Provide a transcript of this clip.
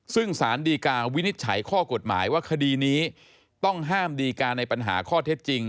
ซึ่งสารดีกาวินิจฉัยข้อกฎหมายว่าคดีนี้ต้องห้ามดีการในปัญหาข้อเท็จจริง